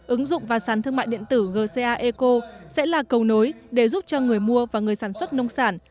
ứng dụng và sàn thương mại điện tử gcaeco sẽ là cầu nối để giúp cho người mua và người sản xuất nông sản